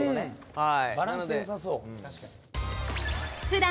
はい。